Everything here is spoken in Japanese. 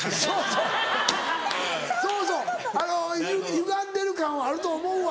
ゆがんでる感はあると思うわ。